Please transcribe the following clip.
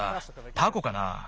タコかなあ。